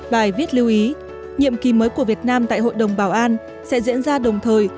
bài viết lưu ý nhiệm kỳ mới của việt nam tại hội đồng bảo an sẽ diễn ra đồng thời